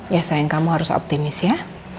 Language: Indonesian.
ya sayang kamu harus optimis ya